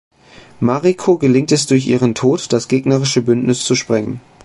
Mariko gelingt es durch ihren Tod, das gegnerische Bündnis zu sprengen.